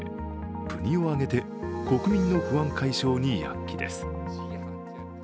国を挙げて国民の不安解消に躍起です。